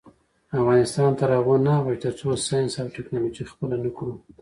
افغانستان تر هغو نه ابادیږي، ترڅو ساینس او ټیکنالوژي خپله نکړو.